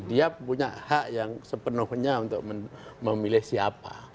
dia punya hak yang sepenuhnya untuk memilih siapa